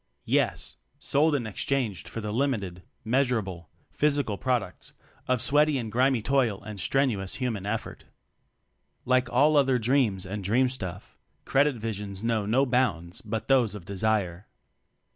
Yes! Sold and exchanged for the limited, measurable, physical prod ucts of sweaty and grimy toil and strenuous human effort. Like all other dreams and dream stuff. ''Credit" visions know no bounds but those of desire.